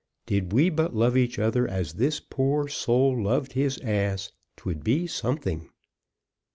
Did we but love each other as this poor soul loved his ass, 'twould be something.